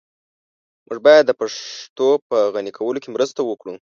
موږ بايد د پښتو په غني کولو کي مرسته وکړو.